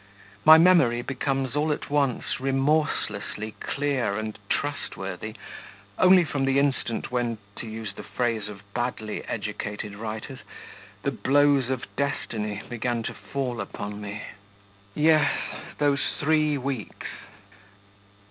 My memory becomes all at once remorselessly clear and trustworthy, only from the instant when, to use the phrase of badly educated writers, the blows of destiny began to fall upon me. Yes, those three weeks....